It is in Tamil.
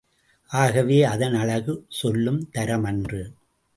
ஆகவே அதன் அழகு சொல்லும் தரமன்று.